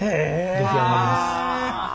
出来上がります。